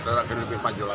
dan akan lebih maju lagi